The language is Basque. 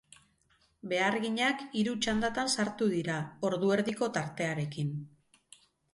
Beharginak hiru txandatan sartu dira, ordu erdiko tartearekin.